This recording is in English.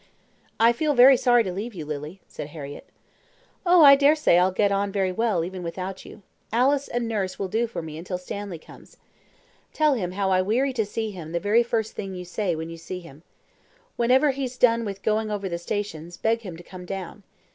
"I feel very sorry to leave you, Lily," said Harriett. "Oh, I dare say I'll get on very well, even without you. Alice and nurse will do for me until Stanley comes. Tell him how I weary to see him the very first thing you say when you see him. Whenever he's done with going over the stations, beg him to come down.